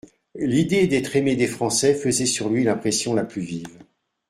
L'idée d'être aimé des Français faisait sur lui l'impression la plus vive.